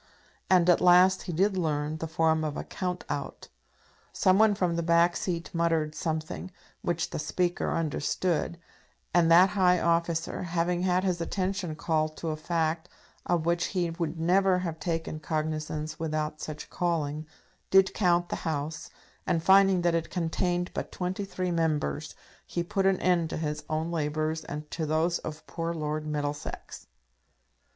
And at last he did learn the form of a "count out." Some one from a back seat muttered something, which the Speaker understood; and that high officer, having had his attention called to a fact of which he would never have taken cognizance without such calling, did count the House, and finding that it contained but twenty three Members, he put an end to his own labours and to those of poor Lord Middlesex.